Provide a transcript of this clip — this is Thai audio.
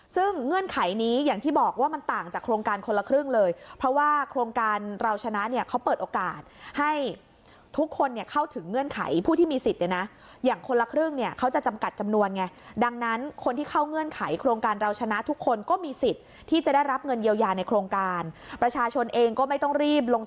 ซึ่งเงื่อนไขนี้อย่างที่บอกว่ามันต่างจากโครงการคนละครึ่งเลยเพราะว่าโครงการเราชนะเนี่ยเขาเปิดโอกาสให้ทุกคนเนี่ยเข้าถึงเงื่อนไขผู้ที่มีสิทธิ์เนี่ยนะอย่างคนละครึ่งเนี่ยเขาจะจำกัดจำนวนไงดังนั้นคนที่เข้าเงื่อนไขโครงการเราชนะทุกคนก็มีสิทธิ์ที่จะได้รับเงินเยียวยาในโครงการประชาชนเองก็ไม่ต้องรีบลง